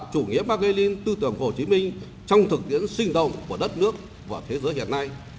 chủ nghĩa đã gây lên tư tưởng hồ chí minh trong thực tiễn sinh động của đất nước và thế giới hiện nay